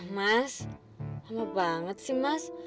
mas lama banget sih mas